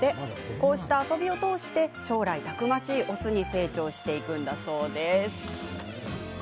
こうした遊びを通して将来たくましい雄に成長していくんだそうです。